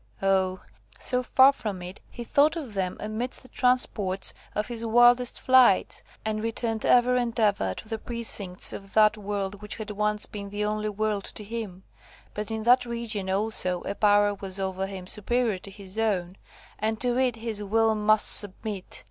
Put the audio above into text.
Ah! so far from it, he thought of them amidst the transports of his wildest flights, and returned ever and ever to the precincts of that world which had once been the only world to him. But in that region also, a power was over him superior to his own, and to it his will must submit.